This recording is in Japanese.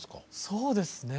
そうですね。